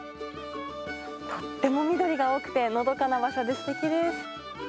とっても緑が多くてのどかな場所ですてきです。